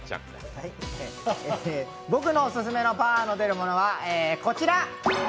僕のオススメのパワーが出るものはこちら。